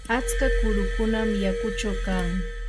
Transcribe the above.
atska kurukunam yakuchaw kan.